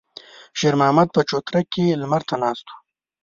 شېرمحمد په چوتره کې لمر ته ناست و.